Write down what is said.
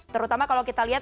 terutama kalau kita lihat